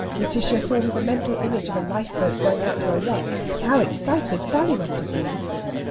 Lætitia forms a mental image of a lifeboat going out to a wreck. How excited Sally must have been!